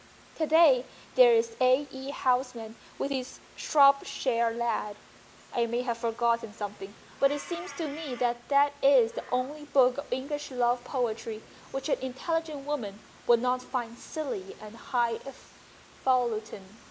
To day there's A. E. Housman with his ' Shropshire Lad.' I may have forgotten something, but it seems to me that that is the only book of English love poetry which an intelligent woman would not find silly and high falutin.